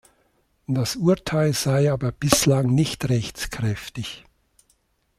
Das Urteil sei aber bislang nicht rechtskräftig.